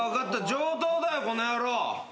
上等だよこの野郎。